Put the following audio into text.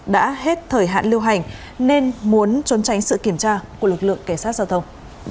đã hết thời hạn lưu hành nên muốn trốn tránh sự kiểm tra của lực lượng cảnh sát giao thông